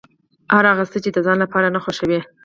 هر هغه څه چې د ځان لپاره نه خوښوې.